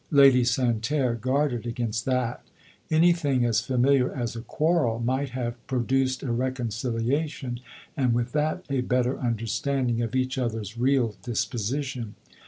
Lady Santerre guarded against that. Any thing as familiar as a quarrel might have pro duced a reconciliation, and with that a better understanding of each other's real disposition.